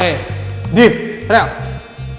eh div realnya udah selesai yaa